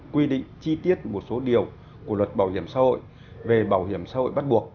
quy định chi tiết một số điều của luật bảo hiểm xã hội về bảo hiểm xã hội bắt buộc